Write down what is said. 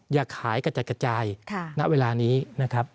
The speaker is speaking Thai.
อย่าขายกระจัดกระจายณเวลานี้นะครับ